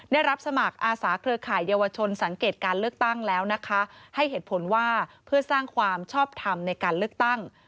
ได้รับสมัครอาสาเครือข่ายเยาวชนสังเกตการเลือกตั้งแล้วนะคะให้เหตุผลว่าเพื่อสร้างความชอบทำในการเลือกตั้ง